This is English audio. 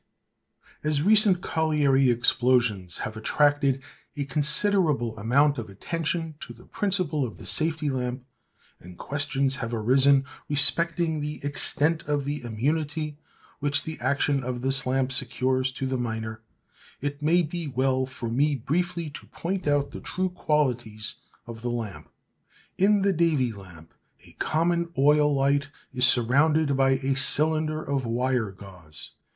_ As recent colliery explosions have attracted a considerable amount of attention to the principle of the safety lamp, and questions have arisen respecting the extent of the immunity which the action of this lamp secures to the miner, it may be well for me briefly to point out the true qualities of the lamp. In the Davy lamp a common oil light is surrounded by a cylinder of wire gauze.